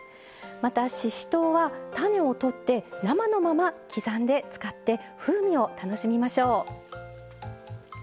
またししとうは種を取って生のまま刻んで使って風味を楽しみましょう。